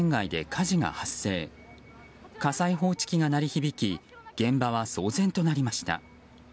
火災報知機が鳴り響き現場は騒然となりました。